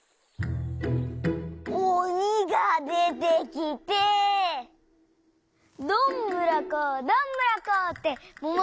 おにがでてきて「どんぶらこどんぶらこ」ってももがながれてきて。